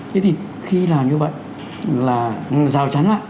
thế thì khi làm như vậy là rào chắn